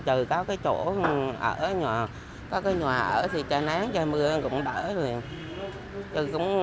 trừ có cái chỗ ở nhà có cái nhà ở thì trời nán trời mưa cũng đỡ rồi